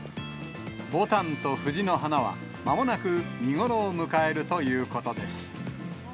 ボタンと藤の花は、まもなく見頃を迎えるということです。